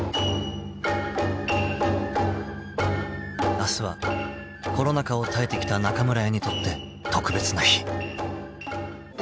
［明日はコロナ禍を耐えてきた中村屋にとって特別な日］